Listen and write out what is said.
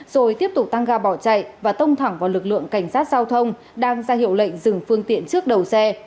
rồi tiếp tục tăng ga bỏ chạy và tông thẳng vào lực lượng cảnh sát giao thông đang ra hiệu lệnh dừng phương tiện trước đầu xe